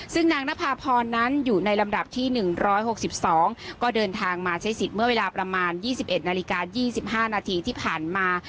ซึ่งนางนภาพรนั้นอยู่ในลำดับที่๑๖๒ก็เดินทางมาใช้สิทธิ์เมื่อเวลาประมาณ๒๑นาฬิกา๒๕นาทีที่ผ่านมา